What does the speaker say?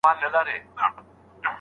استاد د خپلو تجربو کتاب لیکي.